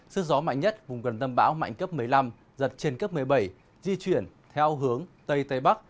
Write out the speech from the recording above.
sức gió mạnh nhất vùng gần tâm bão mạnh cấp một mươi năm giật trên cấp một mươi bảy di chuyển theo hướng tây tây bắc